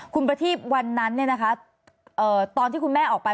คุณประทีบวันนั้นตอนที่คุณแม่ออกไป